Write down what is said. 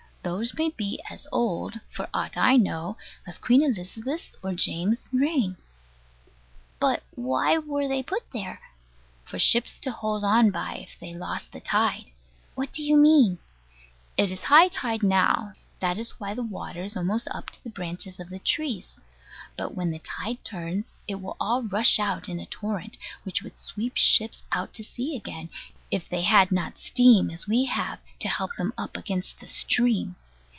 Those may be as old, for aught I know, as Queen Elizabeth's or James's reign. But why were they put there? For ships to hold on by, if they lost the tide. What do you mean? It is high tide now. That is why the water is almost up to the branches of the trees. But when the tide turns, it will all rush out in a torrent which would sweep ships out to sea again, if they had not steam, as we have, to help them up against the stream.